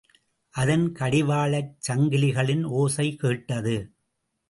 அதன் கடிவாளச் சங்கிலிகளின் ஓசை கேட்டது.